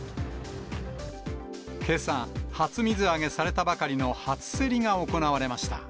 けさ、初水揚げされたばかりの初競りが行われました。